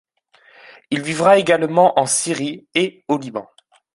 Il vivra également en Syrie et au Liban.